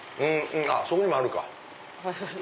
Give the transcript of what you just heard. そこにもあるか。